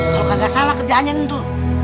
kalau kagak salah kerjaannya tentu